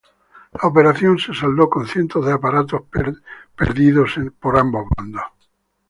La operación se saldó con cientos de aparatos perdidos en ambos bandos.